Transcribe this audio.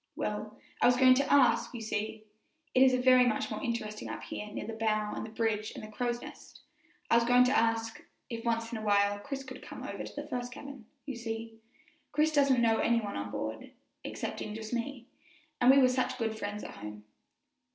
"Well, I was going to ask you see, it is very much more interesting up here near the bow and the bridge and the crow's nest I was going to ask, if once in a while Chris could come over to the first cabin. You see, Chris doesn't know any one on board, excepting just me, and we're such good friends at home."